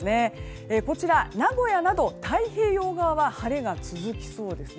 こちら、名古屋など太平洋側は晴れが続きそうですね。